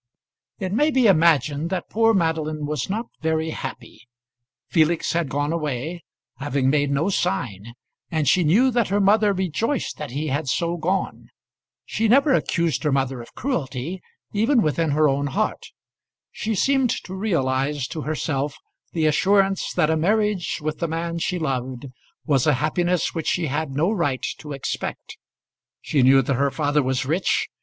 It may be imagined that poor Madeline was not very happy. Felix had gone away, having made no sign, and she knew that her mother rejoiced that he had so gone. She never accused her mother of cruelty, even within her own heart. She seemed to realise to herself the assurance that a marriage with the man she loved was a happiness which she had no right to expect. She knew that her father was rich.